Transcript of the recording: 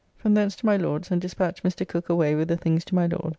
From thence to my Lord's and despatched Mr. Cooke away with the things to my Lord.